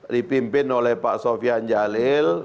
dipimpin oleh pak sofian jalil